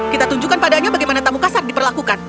kita tunjukkan padanya bagaimana tamu kasar diperlakukan